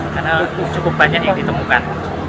karena cukup banyak yang ditemukan